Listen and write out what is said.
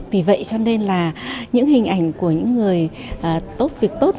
vì vậy cho nên là những hình ảnh của những người tốt việc tốt